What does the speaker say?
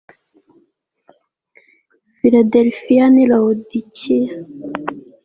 filadelifiya n i lawodikiya